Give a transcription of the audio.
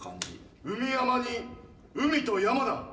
「海山」に「海」と「山」だ。